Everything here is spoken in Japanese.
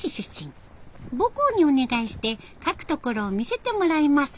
母校にお願いして描くところを見せてもらいます。